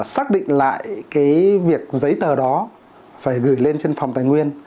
xác định lại cái việc giấy tờ đó phải gửi lên trên phòng tài nguyên